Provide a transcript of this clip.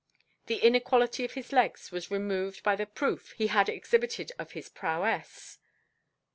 The inequality of his legs was removed by the proof he had exhibited of his prowess.